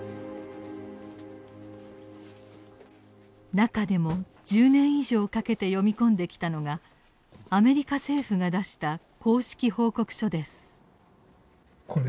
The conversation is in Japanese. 中でも１０年以上かけて読み込んできたのがアメリカ政府が出した公式報告書です。